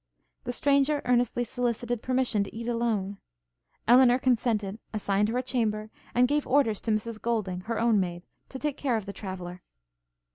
The stranger earnestly solicited permission to eat alone: Elinor consented; assigned her a chamber, and gave orders to Mrs Golding, her own maid, to take care of the traveller.